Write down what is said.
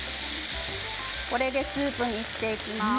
これでスープにしていきます。